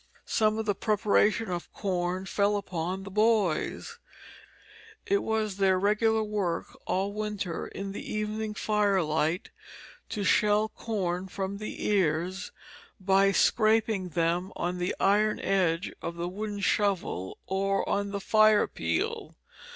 Some of the preparation of corn fell upon the boys; it was their regular work all winter in the evening firelight to shell corn from the ears by scraping them on the iron edge of the wooden shovel or on the fire peel.